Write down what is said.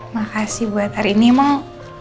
makasih buat hari ini mau